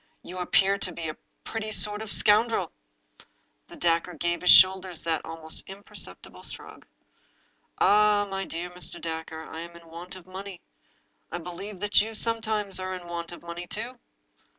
" You appear to be a pretty sort of a scoundrel." The stranger gave his shoulders that almost imperceptible shrug. " Oh, my dear Dacre, I am in want of money I I believe that you sometimes are in want of money, too."